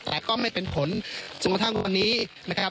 แต่ก็ไม่เป็นผลส่วนของทางวันนี้นะครับ